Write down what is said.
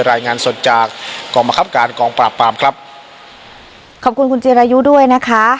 รายงานสดจากกองบังคับการกองปราบปรามครับขอบคุณคุณจิรายุด้วยนะคะ